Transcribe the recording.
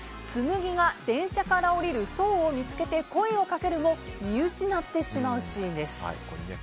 紬が電車から降りる想を見つけて声をかけるも見失ってしまうシーンです。